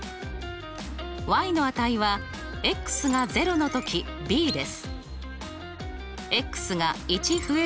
の値はが０の時ｂです。